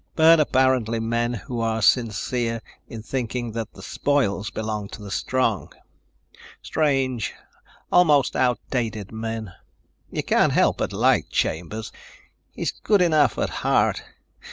"But apparently men who are sincere in thinking that the spoils belong to the strong. Strange, almost outdated men. You can't help but like Chambers. He's good enough at heart.